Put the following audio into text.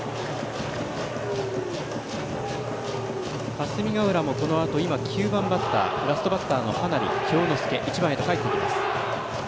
霞ヶ浦も、このあと９番バッターラストバッターの羽成恭之介１番へとかえっていきます。